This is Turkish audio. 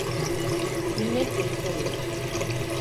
Bilmek de istemiyorum.